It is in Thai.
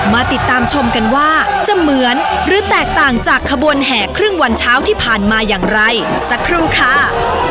มาติดตามชมกันว่าจะเหมือนหรือแตกต่างจากขบวนแห่ครึ่งวันเช้าที่ผ่านมาอย่างไรสักครู่ค่ะ